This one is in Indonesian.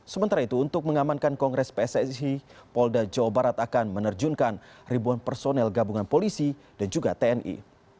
sementara itu untuk mengamankan kongres pssi polda jawa barat akan menerjunkan ribuan personel gabungan polisi dan juga tni